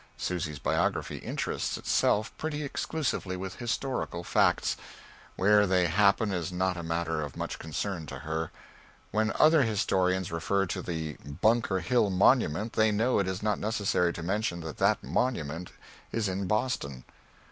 Susy's Biography interests itself pretty exclusively with historical facts; where they happen is not a matter of much concern to her. When other historians refer to the Bunker Hill Monument they know it is not necessary to mention that that monument is in Boston.